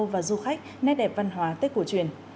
và du khách nét đẹp văn hóa tết cổ truyền